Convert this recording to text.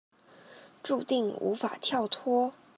註定無法跳脫